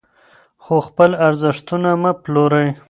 خو خپل ارزښتونه مه پلورئ.